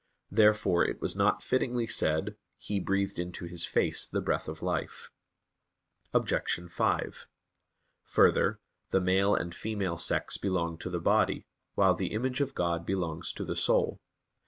Therefore it was not fittingly said: "He breathed into his face the breath of life." Obj. 5: Further, the male and female sex belong to the body, while the image of God belongs to the soul.